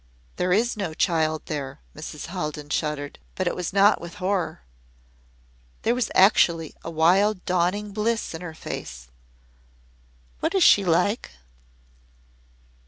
"There is no child there!" Mrs. Haldon shuddered. But it was not with horror. There was actually a wild dawning bliss in her face. "What is she like?"